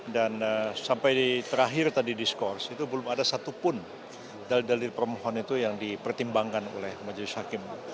dan sampai terakhir tadi di skor itu belum ada satupun dal dalil permohon itu yang dipertimbangkan oleh majelis hakim